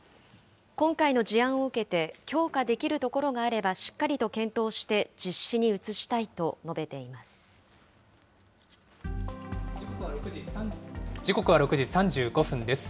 今回の事案を受けて、強化できるところがあれば、しっかりと検討して実施に移したいと述べていま時刻は６時３５分です。